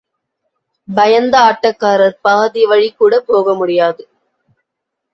பயந்த ஆட்டக்காரர் பாதி வழிகூட போக முடியாது.